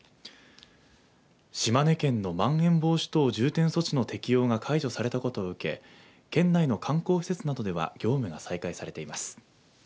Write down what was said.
島根県のまん延防止等重点措置の適用が解除されたことを受けて県内の観光施設などでは業務が再開されています。